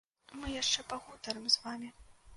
Мы яшчэ пагутарым з вамі.